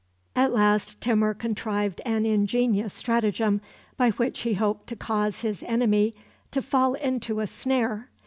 At last Timur contrived an ingenious stratagem, by which he hoped to cause his enemy to fall into a snare.